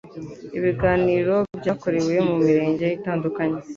Ibiganiro byakorewe mu mirenge itandukanye